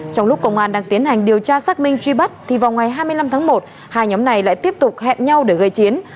trong lúc công an đang tiến hành điều tra xác minh truy bắt thì vào ngày hai mươi năm tháng một hai nhóm này lại tiếp tục hẹn nhau để gây chiến